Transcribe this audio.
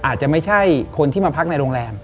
อาจจะไม่ใช่คนที่มาพักในโรงแรม